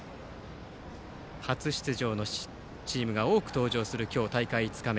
初出場のチームが多く登場する今日、大会５日目。